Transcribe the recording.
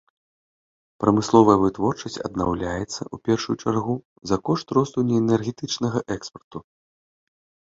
Прамысловая вытворчасць аднаўляецца, у першую чаргу, за кошт росту неэнергетычнага экспарту.